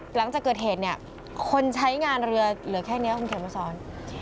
หลังจากเกิดเหตุเนี่ยคนใช้งานเรือเหลือแค่นี้คุณเขียนมาสอน